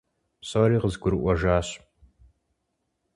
Псори къызгурыӀуэжащ.